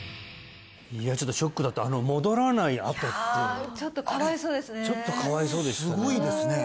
いやちょっとショックだった戻らない跡ってちょっとかわいそうですね